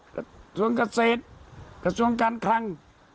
กระทรวงเกษตรกระทรวงการคลัง